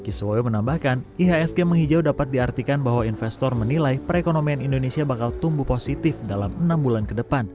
kiswoyo menambahkan ihsg menghijau dapat diartikan bahwa investor menilai perekonomian indonesia bakal tumbuh positif dalam enam bulan ke depan